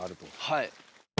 はい。